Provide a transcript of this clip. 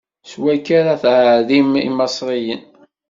S wakka ara tɛerrim Imaṣriyen!